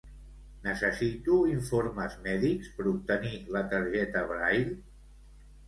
Necessito informes mèdics per obtenir la targeta Braille?